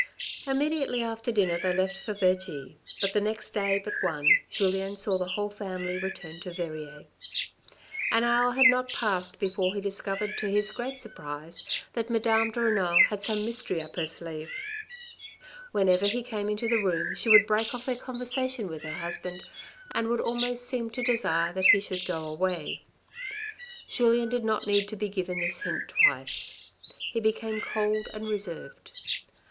Immediately after dinner they left for Vergy, but the next day but one Julien saw the whole family return to Verrieres. An hour had not passed before he discovered to his great surprise that Madame de Renal had some mystery up her sleeve. Whenever he came into the room she would break off her conversation with her husband and would almost seem 156 THE RED AND THE BLACK to desire that he should go away. Julien did not need to be given this hint twice. He became cold and reserved.